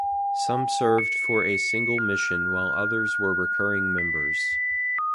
Some served for a single mission while others were recurring members.